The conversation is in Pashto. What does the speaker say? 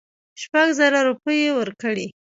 شپږزره روپۍ ورکړې.